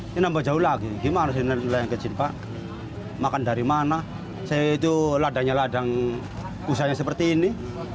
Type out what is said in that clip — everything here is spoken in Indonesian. ini nambah jauh lagi gimana nelayan kecil pak makan dari mana saya itu ladangnya ladang usahanya seperti ini